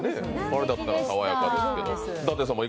あれだったら爽やかですけど。